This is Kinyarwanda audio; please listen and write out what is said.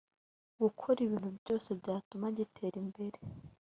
gukora ibintu byose byatuma gitera imbere